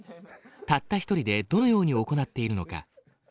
たった一人でどのように行っているのか。